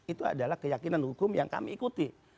itu adalah keyakinan hukum yang kami ikuti